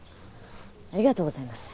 ありがとうございます。